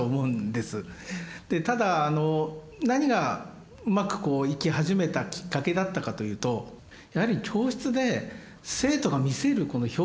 でただ何がうまくいき始めたきっかけだったかというとやはり教室で生徒が見せるこの表情。